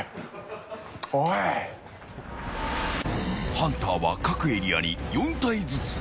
ハンターは各エリアに４体ずつ。